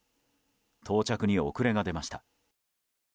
到着に遅れが出ました。